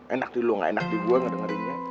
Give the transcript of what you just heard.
enak di lo gak enak di gue ngedengerinnya